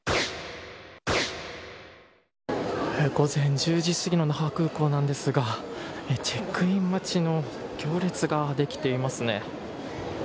午前１０時すぎの那覇空港なんですがチェックイン待ちの行列ができてますね。